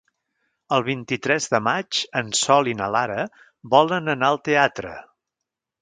El vint-i-tres de maig en Sol i na Lara volen anar al teatre.